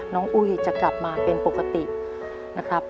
อุ้ยจะกลับมาเป็นปกตินะครับ